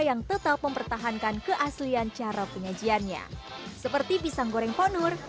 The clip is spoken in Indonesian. yang tetap mempertahankan keaslian cara penyajiannya seperti pisang goreng ponur